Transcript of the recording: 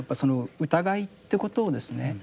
疑いってことをですね